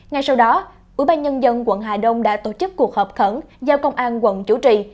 ngay sau đó ủy ban nhân dân quận hà đông đã tổ chức cuộc hợp khẩn giao công an quận chủ trì